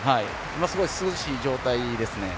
すごい涼しい状態ですね。